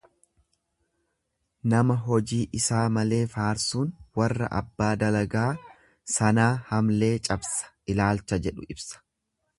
Nama hojii isaa malee faarsuun warra abbaa dalagaa sanaa hamlee cabsa ilaalcha jedhu ibsa.